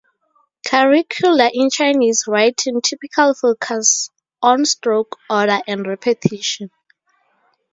Curricula in Chinese writing typically focus on stroke order and repetition.